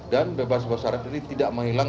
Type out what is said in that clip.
dan bebas bersarat ini tidak menghilang